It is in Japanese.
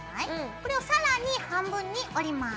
これを更に半分に折ります。